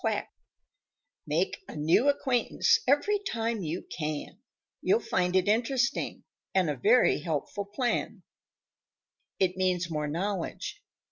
QUACK Make a new acquaintance every time you can; You'll find it interesting and a very helpful plan. It means more knowledge.